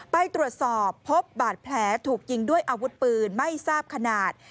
ไปตรวจสอบพบบาดแผลถูกยิงด้วยอาวุธปืนไม่ทราบขนาด